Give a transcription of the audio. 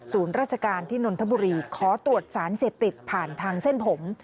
ราชการที่นนทบุรีขอตรวจสารเสพติดผ่านทางเส้นผม